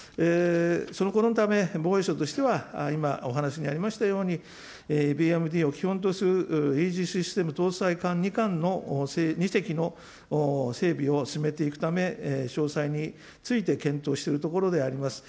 そのため、防衛庁としては、今、お話にありましたように、ＢＭＤを基本とするイージスシステム搭載艦２隻の整備を進めていくため、詳細について検討しているところであります。